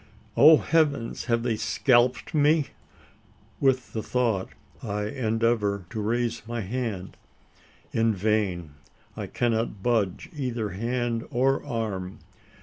Oh Heavens! have they scalped me? With the thought, I endeavour to raise my hand. In vain: I cannot budge either hand or arm.